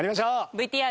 ＶＴＲ。